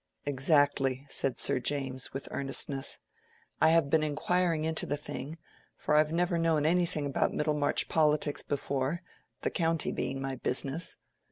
"Exactly," said Sir James, with earnestness. "I have been inquiring into the thing, for I've never known anything about Middlemarch politics before—the county being my business.